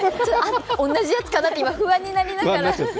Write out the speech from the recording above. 同じやつかなって、今ちょっと不安になりながら。